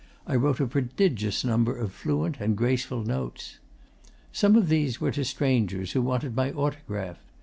I wrote a prodigious number of fluent and graceful notes. 'Some of these were to strangers who wanted my autograph.